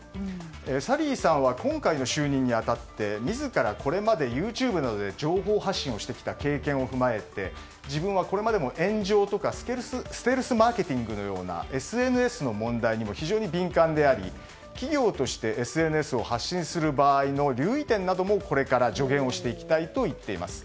サリーさんは今回の就任に当たって自らこれまでＹｏｕＴｕｂｅなどで情報発信をしてきた経験を踏まえ自分はこれまでの炎上とかステルスマーケティングのようなＳＮＳの問題にも非常に敏感であり、企業としてＳＮＳを発信する場合の留意点などもこれから助言して行きたいと言っています。